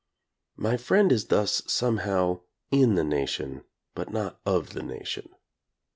My friend is thus somehow in the nation but not of the nation.